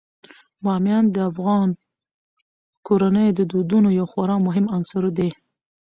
بامیان د افغان کورنیو د دودونو یو خورا مهم عنصر دی.